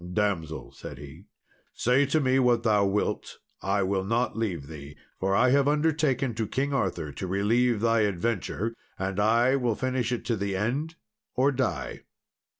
"Damsel," said he, "say to me what thou wilt, I will not leave thee; for I have undertaken to King Arthur to relieve thy adventure, and I will finish it to the end, or die."